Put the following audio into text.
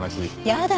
やだ。